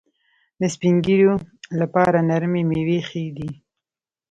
د سپین ږیرو لپاره نرمې میوې ښې دي.